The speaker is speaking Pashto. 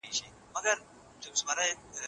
موږ غواړو چې خپله ټولنه له جهالت څخه وژغورو.